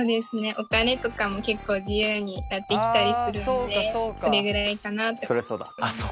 お金とかも結構自由になってきたりするんでそれぐらいかなって思います。